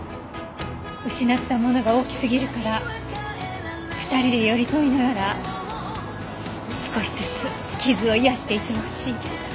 失ったものが大きすぎるから２人で寄り添いながら少しずつ傷を癒やしていってほしい。